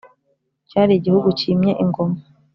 cyari igihugu cyimye ingoma